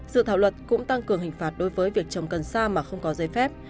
dự thảo luật cũng tăng cường hình phạt đối với việc trồng cần xa mà không có giấy phép